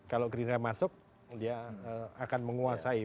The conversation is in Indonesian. kalau gerindra masuk dia akan menguasai